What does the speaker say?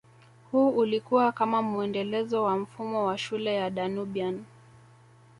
Huu ulikua kama muendelezo wa mfumo wa shule ya Danubian